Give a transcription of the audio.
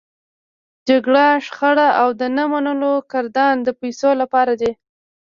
جګړه، شخړه او د نه منلو ګردان د پيسو لپاره دی.